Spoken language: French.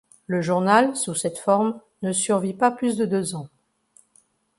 Le journal, sous cette forme, ne survit pas plus de deux ans.